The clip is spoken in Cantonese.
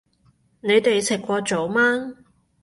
你哋食過早吂